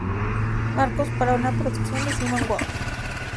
Marcus, para una producción de Simon Wolf.